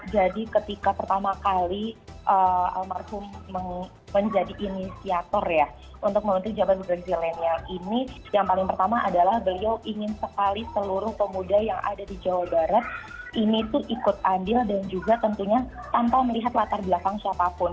jadi ketika pertama kali almarhum menjadi inisiator ya untuk membentuk jabar zilenial ini yang paling pertama adalah beliau ingin sekali seluruh pemuda yang ada di jawa barat ini tuh ikut andil dan juga tentunya tanpa melihat latar belakang siapapun